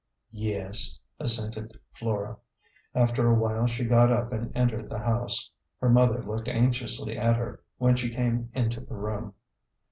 "Yes," assented Flora. After a while she got up and entered the house. Her mother looked anxiously at her when she came into the room.